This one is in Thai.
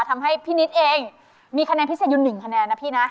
ทำให้พี่นิดเองมีคะแนนพิเศษอยู่๑คะแนนนะพี่นะ